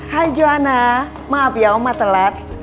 hai johana maaf ya oma telat